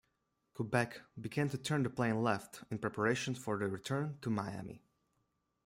Kubeck began to turn the plane left in preparation for the return to Miami.